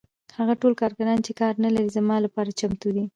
هغه ټول کارګران چې کار نلري زما لپاره چمتو دي